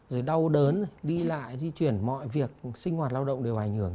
rồi đau đớn đi lại di chuyển mọi việc sinh hoạt lao động đều ảnh hưởng